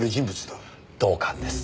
同感です。